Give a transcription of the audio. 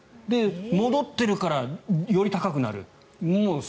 戻っているからより高くなる。